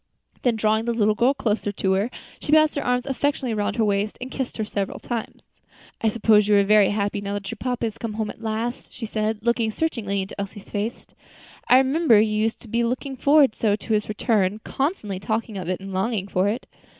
Then, drawing the little girl closer to her, she passed her arm affectionately around her waist, and kissed her several times. "I suppose you are very happy now that your papa has come home at last?" she said, looking searchingly into Elsie's face. "I remember you used to be looking forward so to his return; constantly talking of it and longing for it."